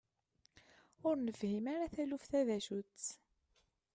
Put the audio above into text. Ur nefhim ara taluft-a d acu-tt.